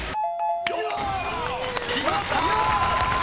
［きました！］